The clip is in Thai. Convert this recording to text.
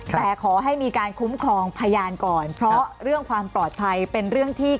แต่ขอให้มีการคุ้มครองพยานก่อนเพราะเรื่องความปลอดภัยเป็นเรื่องที่